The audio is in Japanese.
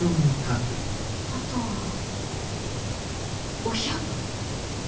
あとはお百。